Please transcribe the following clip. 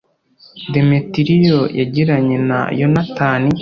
demetiriyo yagiranye na yonatani